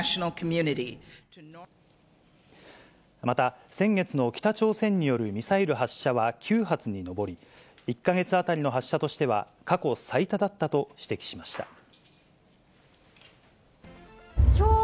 また、先月の北朝鮮によるミサイル発射は９発に上り、１か月当たりの発射としては、過去最多だったと指摘しました。